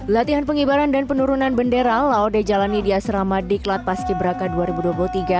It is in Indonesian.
latihan pengibaran dan penurunan bendera laode jalani di asrama di klat paskiberaka dua ribu dua puluh tiga